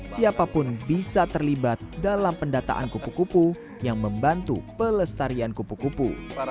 siapapun bisa terlibat dalam pendataan kupu kupu yang membantu pelestarian kupu kupu